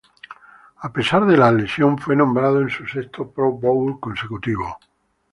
A pesar de la lesión, fue nombrado en su sexto Pro Bowl consecutivo.